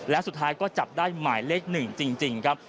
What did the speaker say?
และสุดท้ายก็จับได้หมายเลข๑จริงครับ